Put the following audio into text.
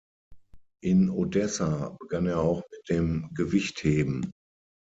In Odessa begann er auch mit dem Gewichtheben.